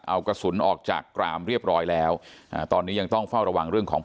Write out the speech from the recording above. เอากระสุนออกจากกรามเรียบร้อยแล้ว